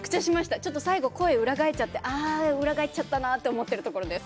ちょっと最後声、裏返っちゃって裏返っちゃったなと思っているところです。